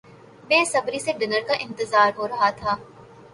بےصبری سے ڈنر کا انتظار ہورہا تھا